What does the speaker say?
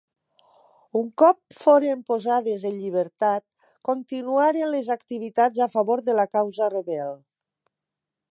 Un cop foren posades en llibertat, continuaren les activitats a favor de la causa rebel.